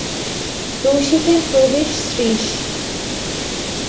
রসিকের প্রবেশ শ্রীশ।